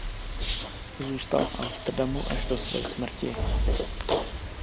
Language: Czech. Zůstal v Amsterdamu až do své smrti.